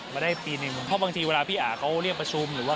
ไม่รู้เขาจะสแกนกันหรือเปล่า